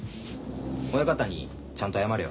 親方にちゃんと謝れよ。